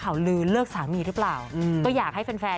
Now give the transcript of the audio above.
คุณผู้ชมค่ะเข้ามาส่ง